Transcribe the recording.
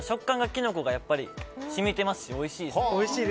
キノコがやっぱり染みてますしおいしいです。